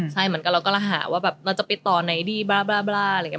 ใช่มันก็เราก็ละหาว่าแบบเราจะไปต่อไหนดีบล้าอะไรอย่างเงี้ย